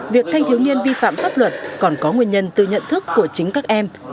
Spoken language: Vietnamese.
việc thanh thiếu niên vi phạm pháp luật còn có nguyên nhân từ nhận thức của chính các em